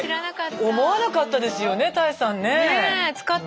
思わなかったですよね多江さんね。